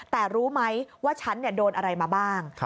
แต่รู้ไหมว่าฉันโดนอะไรมาบ้าง